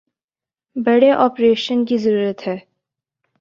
بڑے آپریشن کی ضرورت ہے